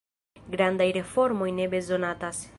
Grandaj reformoj ne bezonatas.